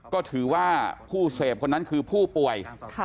ก็ถือว่าผู้เสพคนนั้นคือผู้ป่วย